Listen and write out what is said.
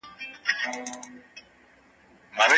د ژبو ترمنځ واټن په دې توګه کمېږي.